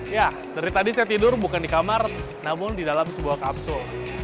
ya dari tadi saya tidur bukan di kamar namun di dalam sebuah kapsul